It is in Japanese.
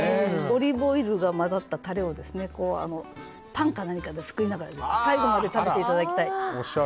オリーブオイルが混ざったタレをパンか何かですくいながら最後まで食べていただきたい。